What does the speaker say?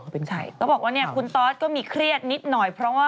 เขาบอกว่าเเนี้ยคุณทอดก็มีเครียดนิดหน่อย